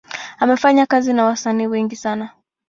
Amefanya kazi na wasanii wengi sana.